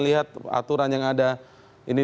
lihat aturan yang ada ini